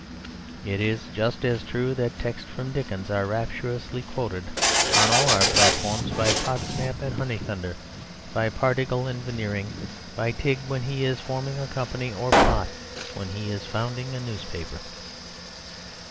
It is just as true that texts from Dickens are rapturously quoted on all our platforms by Podsnap and Honeythunder, by Pardiggle and Veneering, by Tigg when he is forming a company, or Pott when he is founding a newspaper.